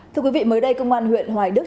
thưa quý vị mới đây công an huyện hoài đức